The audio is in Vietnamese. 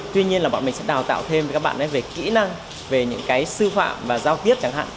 tuy nhiên là bọn mình sẽ đào tạo thêm với các bạn về kỹ năng về những cái sư phạm và giao tiếp chẳng hạn